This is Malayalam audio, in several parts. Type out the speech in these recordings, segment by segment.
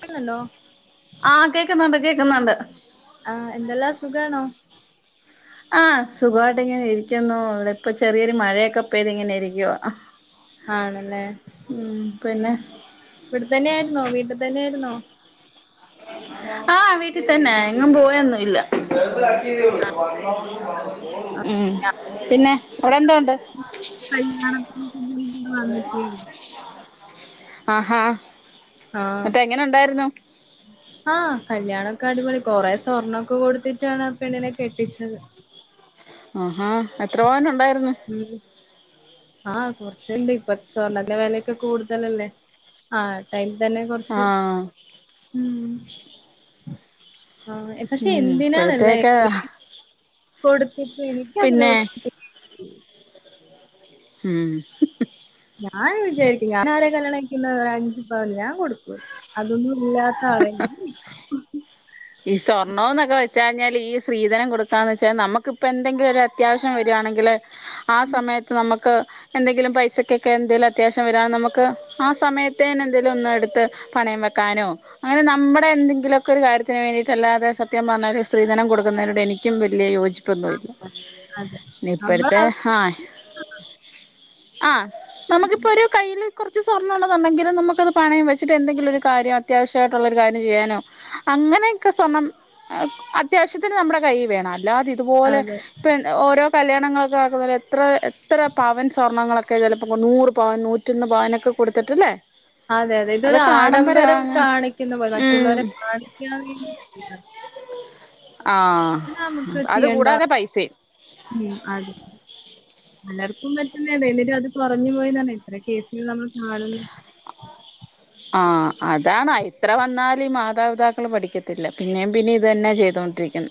പിന്നല്ലോ ആഹ്, കേൾക്കുന്നുണ്ട് കേൾക്കുന്നുണ്ട്. ആഹ്, എന്തെല്ലാ സുഖാണോ? ആഹ്, സുഖോയിട്ട് ഇങ്ങനെ ഇരിക്കുന്നു. ഇവിടെ ഇപ്പ ചെറിയൊരു മഴയൊക്കെ പെയ്ത് ഇങ്ങനെ ഇരിക്കുവ. ആണ്ല്ലേ ഉം, പിന്നെ ഇവിടെ തന്നെയായിരുന്നോ, വീട്ടിൽ തന്നെയിരുന്നോ? ആഹ്, വീട്ടി തന്നെ എങ്ങും പോയൊന്നുല്ല ആഹ് ഉം, പിന്നെ അവിടെ എന്തോ ഉണ്ട്? [unintelligible] വന്നിട്ടേ ആഹാ! ആഹ് എന്നിട്ട് എങ്ങനെ ഉണ്ടായിരുന്നു? ആഹ്, കല്യാണൊക്കെ അടിപൊളി. കൊറെേ സ്വർണ്ണൊക്കെ കൊടുത്തിട്ടാണ് ആ പെണ്ണിനെ കെട്ടിച്ചത്. ആഹ് ആഹാ! എത്ര പവൻ ഉണ്ടായിരുന്നു. [unintelligible] ആഹ്, കൊറച്ച്ണ്ട്. ഇപ്പ സ്വർണ്ണത്തിന്റെ വെലൊക്കെ കൂടുതലല്ലേ. അ- ടൈം തന്നെ കൊറച്ച്, ആഹ് ഉം ആഹ്, പക്ഷെ ഉം എന്തിനാണല്ലേ ഇ ഇപ്പോഴത്തേക്ക് കൊടുത്തിട്ട് എനിക്ക് പിന്നെ അതിനോട് [inaudible] [unintelligible] ഞാൻ അങ്ങനെ വിചാരിക്കും ഞാൻ ആരെ കല്യാണകഴിക്കുനെ അഞ്ചുപ്പവന് ഞാൻ കൊടുക്ക അതൊന്നും ഇല്ലാത്ത ആളെ ഈ സ്വർണ്ണോന്നൊക്കെവെച്ച് കഴിഞ്ഞാല് ഈ സ്ത്രീധനം കൊടുക്കാവെച്ചാൽ നമ്മുക്കിപ്പോ എന്തെങ്കിലും ഒരു അ അത്യാവശ്യം വരാണെങ്കില് ആ സമയത്ത് നമുക്ക് എന്തെങ്കിലും പൈസക്കൊക്കെ എന്തേലും അത്യാവശ്യം വരാണ നമ്മക്ക് ആ സമയത്തേന് എന്തേലും ഒന്ന് എടുത്ത്. പണയം വെക്കാനോ അങ്ങനെ നമ്മുടെ എന്തെങ്കിലൊക്കെ ഒരു കാര്യ ത്തിന് വേണ്ടിട്ടല്ലാതെ സത്യം പറഞ്ഞാല് സ്ത്രീധനം കൊടുന്നതിനോട് എനിക്കും വലിയ യോജി യോചിപ്പൊന്നുല അതെ. [unintelligible] നമ്മളാ ഇപ്പോഴത്തെ ആഹ് ആ നമുക്കിപ്പൊ ഒരു കയ്യിൽ കുറച്ച് സ്വർണ്ണെണ്ട് തന്നെങ്കിലും നമുക്കത് പണയം വെച്ചിട്ട് എന്തെങ്കിലും ഒരു കാര്യ അത്യാവശ്യായിട്ടുള്ള ഒരു കാര്യം ചെയ്യാന് അങ്ങനെയൊക്കെ സ്വർണം അത്യാവശ്യത്തിന് നമ്മുടെ കൈ വേണം അല്ലാതെ ഇതുപോലെ അതെ. ഓരോ കല്യാണങ്ങളൊക്കെ ആക്കുന്നു എത്ര എത്ര പവൻ സ്വർണങ്ങളൊക്കെ ചിലപ്പോൾ നൂറ് പവൻ നൂറ്റി നൂറ്റൊന്ന് പാവനൊക്കെ കൊടുത്തിട്ടല്ലേ അതെ അതെ ഇതൊരു അതൊക്കെ ആഡംബരം ആഡംബരമാണ് കാണിക്കുന്ന പോലെ ഉം മറ്റുള്ളവരെ കാണിക്കാൻ വേണ്ടി [inaudible] ആഹ് അതുകൂടാതെ പൈസേം ഉം അതെ പലർക്കും പറ്റുന്ന അത് എട്ടും അത് കുറഞ്ഞുപോയിന്ന്പറഞ്ഞ് എത്ര കേസുകൾ നമ്മൾ കാണുന്നു [inaudible] ആഹ് അതാണ് ഇത്ര വന്നാൽ മാതാപിതാക്കൾ പഠിക്കത്തില്ല പിന്നേും പിന്നേം ഇത് തന്നെ ചെയ്തു തോണ്ടിരിക്ക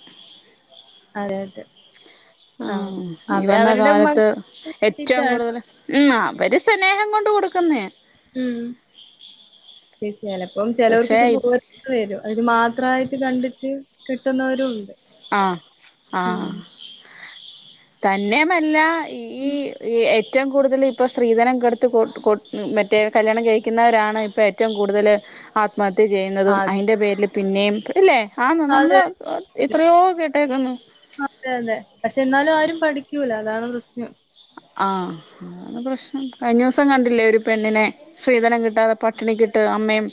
അതെ അതെ ആഹ് ഈ അവര് വന്ന അവരുടെ കാലത്ത് മക്കൾക്ക് ഏറ്റവും വേണ്ടിയിട്ടാണ് കൂടുതൽ ഉം അവര് സ്നേഹം കൊണ്ട് കൊടുക്കുന്നേ ഉം ചെലപ്പോ ചേലോർക്ക് പക്ഷെ ഇത് പോര വരും അത് മാത്രമായിട്ട് കണ്ടിട്ട് കിട്ടുന്നവരുണ്ട് ആഹ് ആഹ് [inaudible] തന്നേമല്ല ഈ ഏറ്റവും കൂടുതൽ ഇപ്പൊ സ്ത്രീധനം [unintelligible] കെടുത്ത് മറ്റേ കല്യാണം കഴിക്കുന്നവരാണ് ഇപ്പൊ ഏറ്റവും കൂടുതല് ആത്മഹത്യ ചെയ്യുന്നതും അതെ. അതിന്റെ പേരില് പിന്നെയും ഇല്ലേ ആന്ന് നമ്മൾ അതെ. എത്രയോ കെട്ടേക്കുന്നു ആഹ് അതെ അതെ പക്ഷെ എന്നാലും ആരും പഠിക്കൂല അതാണ് പ്രശ്നം ആഹ് അതാണ് പ്രശ്നം കഴിഞൊസം കണ്ടില്ലേ ഒരു പെണ്ണിനെ സ്ത്രീധനം കിട്ടാതെ പട്ടിണി കിട്ട് അമ്മയും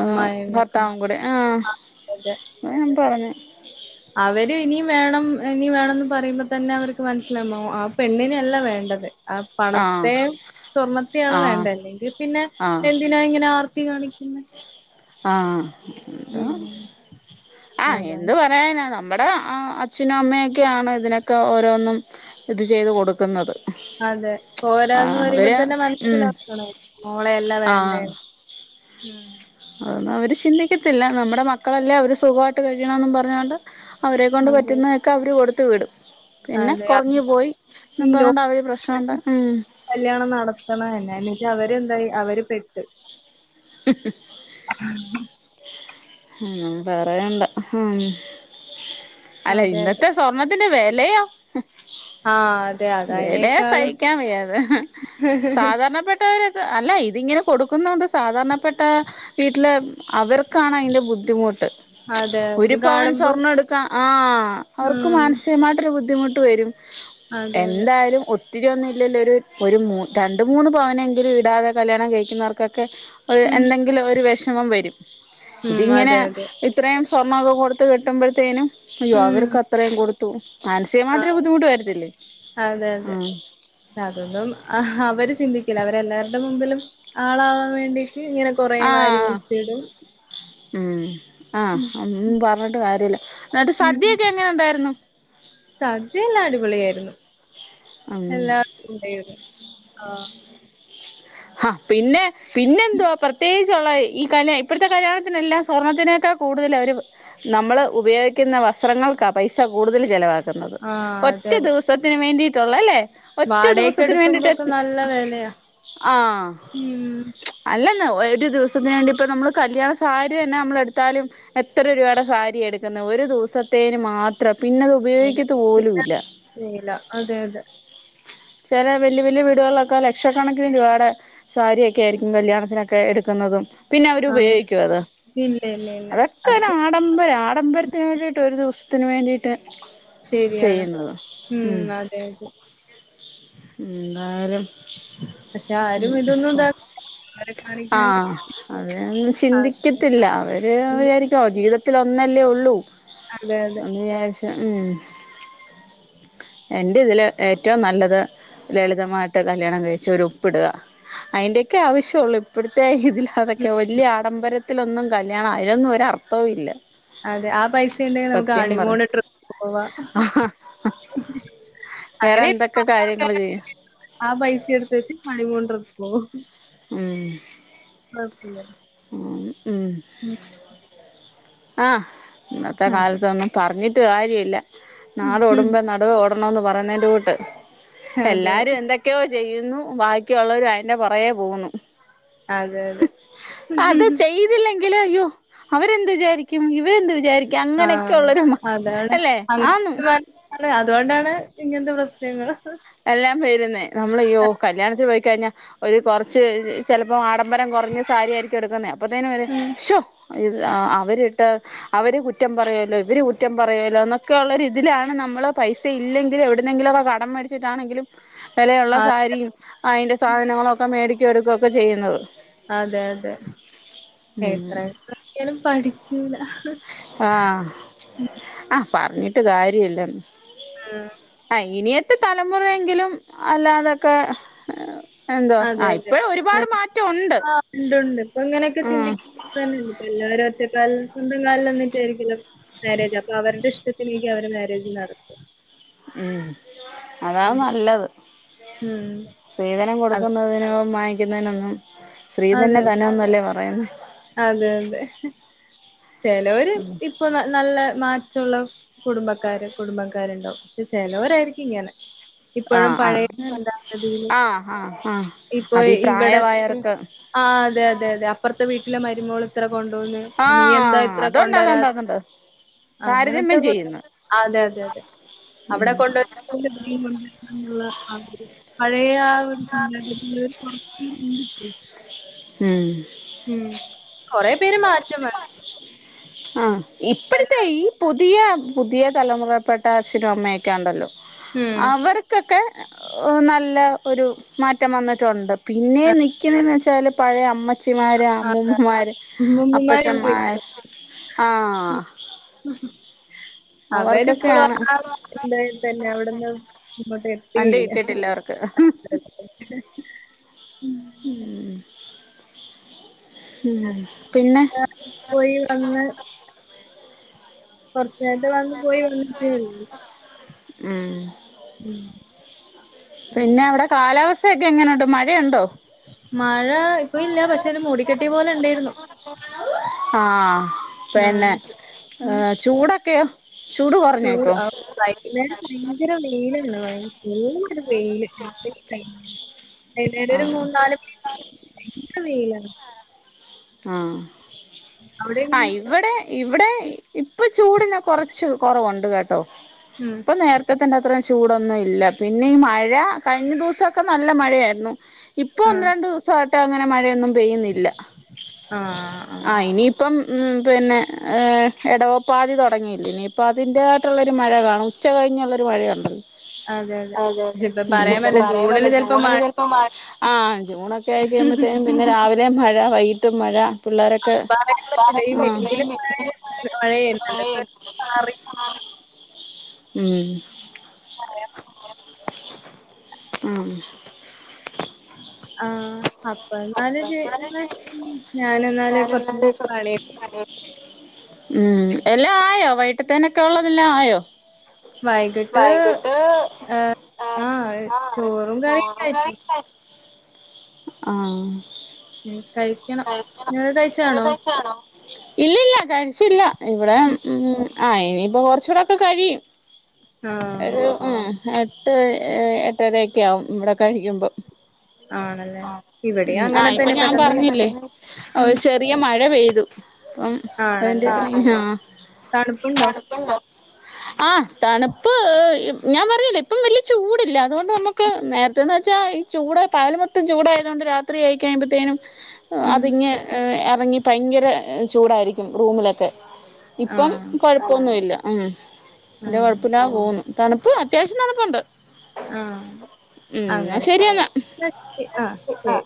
ആഹ് ഭർത്താവുകൂടെ ആഹ് അതെ അവ് ഞാൻ പറഞ്ഞു അവര് ഇനിയും വേണം ഇനി വേണം എന്ന് പറയുമ്പോ തന്നെ അവർക്ക് മനസ്സിലവും ആ പെണ്ണിന് അല്ല വേണ്ടത് ആ ആഹ് പണത്തെയും സ്വർണത്തെയാണ് ആഹ് വേണ്ടത് അല്ലെങ്കിൽ പിന്നെ ആഹ് എന്തിന് ഇങ്ങനെ ആർത്തി കാണിക്കുന്നെ ആഹ് എന്ത ഉം ആഹ് അതാണ് എന്ത് പറയാനാ നമ്മ നമ്മുടെ അച്ഛനും അമ്മയൊക്കെയാണ് ഇതിനൊക്കെ ഓരോന്നും ഇത് ചെയ്ത് കൊടുക്കുന്നത് അതെ ഓരോന്ന് ആഹ് പറയുമ്പോ അവര് തന്നെ ഉം മനസ്സിലാക്കണം മോളെല്ലേ ആഹ് വേണ്ടേന്ന് ഉം അതൊന്നും അവര് ചിന്തിക്കത്തില്ല നമ്മുടെ മക്കളല്ലേ അവര് സുഖമായിട്ട് കഴിയണം എന്നിട്ട് പറഞ്ഞോണ്ട് അവരെ കൊണ്ട് അതെ പറ്റുന്നതൊക്കെ അവര് കൊടുത്തു വിടും പിന്നെ അതെ അത് കുറഞ്ഞു പോയി ഈ എന്നും ലോ പറഞ്ഞോണ്ട് അവര് പ്രശ്നമുണ്ടാകും കല്യാണം നടത്തണം എന്നന്ന എന്നട്ട് അവരെന്താ അവര് പെട്ട് [inaudible] [inaudible] ഉം പറയണ്ട ഉം അല്ല അതെ അതെ ഇന്നത്തെ സ്വർണ്ണത്തിന്റെ വിലയോ ആഹ് അതെ അതയിനേക്കാളും സഹിക്കാൻ വയ്യാത് സാധാരണപ്പെട്ട അല്ല ഇതിങ്ങനെ കൊടുക്കുന്നൊണ്ട് സാധാരണപ്പെട്ട വീട്ടില് അവർക്കാണ് അതിന്റെ ബുദ്ധിമുട്ട് അതെ ഒരു ഇത് പാവൻ കാണുമ്പോ സ്വർണം എടുത്ത ആഹ് അവർക്ക് ഉം മാനസികമായിട്ടൊരു ബുദ്ധിമുട്ട് വരും അതെ അതെ എന്തായാലും ഒത്തിരിയൊന്നും ഇല്ലല്ലോ ഒരു ഒരു മൂ രണ്ട മൂന്ന് പവനങ്കിലും ഇടാതെ കല്യാണം കഴിക്കുന്നവർക്കൊക്കെ ഉം എന്തെങ്കിലും ഒരു വിഷമം വരും ഉം ഇതിങ്ങനെ അതെ അതെ ഇത്രയും സ്വർണ്ണൊക്കെ കൊടുത്ത് കെട്ടുമ്പോഴത്തേനും അയ്യോ ഉം അവർക്ക് അത്രയും കൊടു ആ മാനസികമായിട്ടൊരു ബുദ്ധിമുട്ട് വരത്തില്ലേ അതെ അതെ ഉം പക്ഷെ അതൊന്നും അ അവര് ചിന്തിക്കില്ല അവരെല്ലാരുടെ മുമ്പിലും ആളാവാൻ വേണ്ടി ഇങ്ങനെ കൊറേ വാരി ആഹ് വെര്ത്തിടും ഉം ആഹ് [unintelligible] പറഞ്ഞിട്ട് കാര്യല്ല എന്നിട്ട് ഉം സദ്യയൊക്കെ എങ്ങനെ ഉണ്ടായിരുന്നു സദ്യ എല്ലാം അടിപൊളിയായിരുന്നു ആഹ് ഉം എല്ലാർക്കും ഉണ്ടായിരുന്നു ആ [inaudible] ആഹ് പിന്നെ പിന്നെ എന്തുവാ പ്രത്യേകിച്ചുള്ള ഈ കല ഇപ്പോഴത്തെ കല്യാണത്തിനെല്ലാം സ്വർണ്ണത്തിനേക്കാ കൂടുതൽ അവർ നമ്മൾ ഉപയോഗിക്കുന്ന വസ്ത്രങ്ങൾക്കാ പൈസ കൂടുതൽ ചിലവാക്കുന്നത് ആ ഒറ്റ അതെ അതെ ദിവ സത്തിന് വേണ്ടിയിട്ടുള്ള അല്ലേ ഒറ്റ വാടകക്ക് ദിവസത്തിന് വേണ്ടിട്ട് എടുക്കുമ്പോക്കെ നല്ല വെലയാ ആഹ് ഉം അല്ലല്ല ഒരു ദിവസത്തിന് വേണ്ടി ഇപ്പം നമ്മൾ കല്യാണ സാരി തന്നെ നമ്മള് എടുത്താലും എത്ര രൂപയുടെ സാരി എടുക്കുന്ന ഒരു ദിവസത്തേന് മാത്രം പിന്നെത് ഉപയോഗിക്കത്തു പോലും ഇല്ല ഇല്ല അതെ അതെ ചില വല്യ വല്യ വീടുകളിലൊക്കെ ലക്ഷക്കണക്കിന് രൂപാടെ സാരിയൊക്കെ ആയിരിക്കും കല്യാണത്തിനൊക്കെ എടുക്കുന്നതും പിന്നെ ആ അവരുപയോഗിക്കോ അത് ഇല്ല ഇല്ല ഇല്ല അതൊക്കെ അത് ഒരാ പിന്നെ ഡംബരം ആഡംബരത്തിന് വേണ്ടിട്ട് ഒരു ദിവസത്തിന് വേണ്ടിയിട്ട് ശരിയാണ് ചെയ്യുന്നത് ഉം [unintelligible] ന്നാരം പക്ഷെ ആരും ഇതൊന്നും ഇതാ അവരെ കാണിക്കാൻ ആഹ് വേണ്ടിട്ട് അതൊന്നും ചിന്തിക്കത്തില്ല അവര് ആക്കിയില്ല. വിചാ ചോ ജീവിതത്തില് ഒന്നല്ലേ ഒള്ളൂ അതെ അതെ എന്ന് വിചാരിച്ച് ഉം എന്റെ ഇതിൽ ഏറ്റവും നല്ലത് ലളിതമായിട്ട് കല്യാണം കഴിച്ച് ഒരു ഒപ്പിടുക അതിന്റെയൊക്കെ ആവശ്യൊള്ളൂ ഇപ്പോഴത്തെ ഇതിൽ ഉം അതൊക്കെ വലിയ ആഡംബരത്തിലൊന്നും കല്യാണം അതിലൊന്നും ഒര് അർത്ഥവും ഇല്ല അതെ ആ പൈസ ഉണ്ടെങ്കിൽ നമുക്ക് സത്യം പറ ഹണിമൂണ് ട്രിപ്പ് പോവാ വേറെ അങ്ങനെ എന്തൊക്കെ പല കാര്യങ്ങൾ ആൾക്കാരും ചെയ്യാം ആ പൈസ എടുത്ത വച്ച് ഹണിമൂൺ ട്രിപ്പ്‌ പോവും ഉം [unintelligible] ആഹ് ഉം ഉം ആ ഇന്നത്തെ ആഹ് കാലത്തൊന്നും പറഞ്ഞിട്ട് കാര്യമില്ല നാടോടുമ്പം നാ ടുവെ ഓടണംന്ന് പറയ്ന്നെൻ്റുട്ട് അതെ എല്ലാരും എന്തെ ക്ക്യയോ ചെയ്യുന്നു ബാക്കിയുള്ളവര് അയിന്റെ പുറകേ പോകുന്നു അതെ അതെ അത് ചെയ്തില്ലെങ്കിൽ അയ്യോ അവരെന്ത് വിചാരി ക്കും ഇവരെന്ത് വിചാരിക്കും അങ്ങനെയൊക്കെ ആഹ് ഉള്ളൊരു അല്ലെ ആന്ന് അതെ അതുകൊണ്ടാണ് ഇങ്ങനത്തെ പ്രശ്നങ്ങൾ എല്ലാം പേരുന്നേ നമ്മൾ അയ്യോ കല്യാണത്തിൽ പോയിക്കഴിഞ്ഞാൽ ഒരു കുറച്ച് ചിലപ്പോ ആഡംബരം കുറഞ്ഞ സാരി ആയിരിക്കും എടുക്കുന്നത് അപ്പത്തേനും ഓല് ഉം ഇത് അഹ് ആ അവരിട്ട് അവര് കുറ്റം പറയോലോ ഇവര് കുറ്റം പറയോലോ എന്നൊക്കെ ഉള്ളൊരിതിലാണ് നമ്മള് പൈസ ഇല്ലെങ്കിൽ എവിട്ന്നെങ്കിലൊക്കെ കടം മേടിച്ചു ച്ചിട്ടാണെങ്കിലും വെലയുള്ള അതെ സാരിയും അയിന്റെ സാധനങ്ങളും ഒക്കെ മേടിക്കും എടുക്കൊക്കെ ചെയ്യുന്നത്. അതെ അതെ ഉം എത്ര [unintelligible] പഠിക്കൂല. ആഹ് ആ പറഞ്ഞിട്ട് കാര്യല്ലന്ന്. മ് ആ ഇനിയത്തെ തലമുറയെങ്കിലും അല്ലാതൊക്കെ എന്തോ അതെ ആഹ് അതെ ഇപ്പഴും ഒരുപാട് മാറ്റം ഉണ്ട് ആ ആഹ് ഉണ്ടുണ്ട്, ഇപ്പ ഇങ്ങനെയൊക്കെ ഉം [unintelligible] തെ എല്ലാവരും ഒറ്റക്കാലില് സ്വന്തം കാലില് നിന്നിട്ടായിരിക്കല്ലോ [unintelligible] അവരുടെ ഇഷ്ടത്തിനേക്ക് അവര് മാരേജ് നടത്തും. മ് അതാ നല്ലത്. മ് സ്ത്രീധനം കൊടുക്കുന്നതിനും വാങ്ങിക്കുന്നതിനൊന്നും അതെ സ്ത്രീധന അതെ. ധനംന്നല്ലേ പറയുന്നെ. അതെ അതെ ചെലോര് ഇ പ്പോ നല് നല്ല മാറ്റൊള്ള കുടുംബക്കാര് കുടുംബക്കാരിണ്ടാവും, പക്ഷേ ചെലോരായിരിക്കും ഇങ്ങനെ ഇപ്പോഴും ആഹ് പഴയ ആഹ് എന്താ ഇത് ആഹ് ആഹ് ആഹ് ഇപ്പോ അതീ ഇവിടെത്ര പ്രായമായവർക്ക് ആ അതെ അതെ അതെ അപ്പുറത്തെ വീട്ടിലെ മരുമോള് ഇത്ര കൊണ്ടോന്ന് നീ എന്താ ആഹ് ഇത്ര അതുണ്ട് കൊണ്ടരാ അതുണ്ട് അതുണ്ട് അങ്ങനത്തെ താരതമ്യം [unintelligible] ചെയ്യുന്നു ആഹ് അതെ അതെ അതെ അവിടെ ഉം [unintelligible] [unintelligible] പഴയ ആ ഒരു [unintelligible] മ് മ് കൊറെ പേര് മാറ്റം വന്ന്. ആഹ് ഇപ്പോഴത്തെ എല്ലാവർക്കും ഈ പുതിയ പുതിയ തലമുറപ്പെട്ട അച്ഛനും അമ്മയൊക്കെ ഉണ്ടല്ലോ ഉം. അവര് [inaudible] നല്ല ഒരു മാറ്റം വന്നിട്ടോണ്ട്, പിന്നെ നിക്കുന്നെന്ന് വെച്ചാല് പഴെ അമ്മ ച്ചിമാര് അമ്മൂമ്മമാര് അമ്മൂമ്മമാര് അപ്പച്ചന്മാര് ആഹ് [unintelligible] അവര് ഇപ്പളും അവർക്കൊക്കെയാണ് [unintelligible] തന്നെ അവിടുന്ന് ഇങ്ങോട്ട് വണ്ടി എത്തിയില്ല, കിട്ടിട്ടില്ല അവർക്ക് [unintelligible] മ് അപ്പ മ് പിന്നെ പോയി വന്ന് കൊറച്ച് നേരത്തെ വന്ന് പോയി വന്നിട്ടെ ഉള്ളു. മ് മ് പിന്നെ അവിടെ കാലാവസ്ഥയൊക്കെ എങ്ങനുണ്ട്? മഴയുണ്ടോ? മഴ ഇപ്പ ഇല്ല, പക്ഷേ ഒരു മൂടിക്കെട്ടിയ പോലെ ഇണ്ടായിരുന്നു. ആഹ് പിന്നെ ഉം. ഏ ചൂടൊക്കെയോ? കുറഞ്ഞോ ചൂട് ഇപ്പൊ [unintelligible] ഇവടെ വയങ്കര വെയിലാണ്, വയ [unintelligible] വെയില് [unintelligible] [unintelligible] ആഹ് മൂന്നാല് [unintelligible] വയങ്കര വെയിലാണ്. ആഹ് അവിടെ ആ എങ്ങനെയാ? ഇവടെ ഇവടെ ഇപ്പ ചൂടിന് കൊറച്ച് കൊറവുണ്ട് കേട്ടോ. മ് ഇപ്പം നേരത്തെത്തെന്റെ അത്ര ചൂടൊന്നു ഇല്ല, പിന്നെ ഈ മഴ കഴിഞ്ഞ ദിവസൊക്കെ നല്ല മഴയായിരുന്നു. ഇപ്പോ ഒന്ന് ആഹ്. രണ്ട് ദിവസായിട്ട് അങ്ങനെ മഴയൊന്നും പെയ്യുന്നില്ല, ആഹ് ആ ആഹ്. ഇനി ഇപ്പം പിന്നെ ഏഹ് എടവപ്പാതി തൊടങ്ങിയില്ലെ ഇനിയിപ്പം അതിൻ്റെതായിട്ടുള്ളൊരു മഴ കാണും. ഉച്ച കഴിഞ്ഞുള്ളൊരു മഴയുണ്ടല്ലോ അതെ അതെ പക്ഷെ ഇപ്പ മ് പറയാൻ പറ്റില്ല. ജൂണില് ചെലപ്പോ [unintelligible] ഇപ്പം മഴ ആ ജൂണൊക്കെ ആയിക്കഴിയുമ്പത്തേനും പിന്നെ രാവിലേം മഴ വൈകിട്ടും മഴ പിള്ളേരൊക്കെ പറയാൻ പറ്റില്ല. ഈ മ് മെയില് മഴ മഴയായിരുന്നല്ലോ. ഇപ്പൊ മാറി മ് [unintelligible] ഉം. ആഹ് എന്നാല് അപ്പ ജ് എന്നാ എന്ന ഞാനെന്നാല് ഞാനുള്ള കൊറച്ച് [unintelligible] പണിയൊക്കെ ഉം എല്ലാം ആയോ വൈകിട്ടത്തേനൊക്കെ ഉള്ളതെല്ലാം ആയോ? വൈകിട്ട് ആഹ് ആഹ് ചോറും കറിയൊക്കെ ആയി- ആഹ് ഉം കയി കഴിക്കണം ചോറ് കഴിച്ചേ ആണോ? ഇല്ലല്ല കഴിച്ചില്ല ഇവിടെ ഉം. ഉ ആഹ് ഇനിയിപ്പൊ കൊറച്ചുകൂടൊക്കെ കഴിയും ആഹ് ഒരു ഉം എട്ട് എട്ടരൊക്കെ ആവും ഇവിടെ കഴിക്കുമ്പോ ആണല്ലേ ഇവിടെയും ആഹ് അങ്ങനെ ആഹ് ഇപ്പൊ തന്നെ ഞാൻ പെട്ടെന്ന് പറഞ്ഞില്ലേ ഓ ഉം ചെറിയ മഴ പെയ്തു അപ്പം- അയിന്റെ ആണല്ലേ ആഹ് തണുപ്പുണ്ടോ തണുപ്പ് ഉണ്ടോ? ആഹ് തണുപ്പ് ഞാൻ പറഞ്ഞില്ലെ ഇപ്പം വലിയ ചൂടില്ല അതുകൊണ്ട് നമുക്ക് നേരത്തെന്ന് വെച്ചാ ചൂട് പകല് മൊത്തം ചൂട ആയതുകൊണ്ട് രാത്രി ആയി കഴിയുമ്പോത്തേനും ഉം അതിങ്ങ് എറങ്ങി ഭയങ്കര ചൂടായിരിക്കും റൂമിലൊക്കെ- ഇപ്പം ആഹ് കൊഴപ്പൊന്നുവില്ല ഉം വല്യ ആഹ് കൊഴപ്പുല്ല്യാതെ പോന്നു- തണുപ്പ് അത്യാവശ്യം തണുപ്പുണ്ട്. ആഹ് ഉം എന്നാ അങ്ങനെ ശരിയെന്നാ ആഹ് ശരി.